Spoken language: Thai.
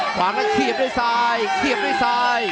ขวางแล้วเขียบด้วยซายเขียบด้วยซาย